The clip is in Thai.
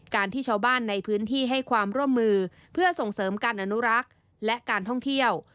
การที่ชาวบ้านในพื้นที่ให้ความร่วมมือเพื่อส่งเสริมการอนุรักษ์และการท่องเที่ยว